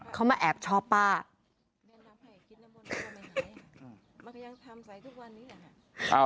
เขามาแอบชอบป้า